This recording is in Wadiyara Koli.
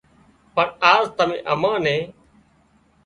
پڻ آز تمين امان نين